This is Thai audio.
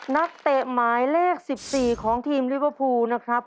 เตะหมายเลข๑๔ของทีมลิเวอร์พูลนะครับ